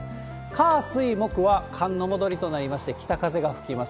火、水、木は寒の戻りとなりまして、北風が吹きます。